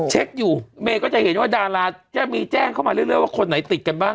เช็คอยู่เมย์ก็จะเห็นว่าดาราจะมีแจ้งเข้ามาเรื่อยว่าคนไหนติดกันบ้าง